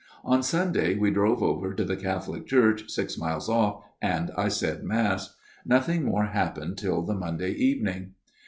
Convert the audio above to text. " On Sunday we drove over to the Catholic Church, six miles off, and I said Mass. Nothing more happened till the Monday evening.